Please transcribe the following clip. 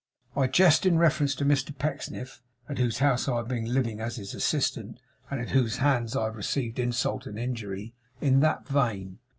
'I jest in reference to Mr Pecksniff (at whose house I have been living as his assistant, and at whose hands I have received insult and injury), in that vein.